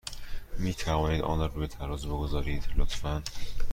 می توانید آن را روی ترازو بگذارید، لطفا؟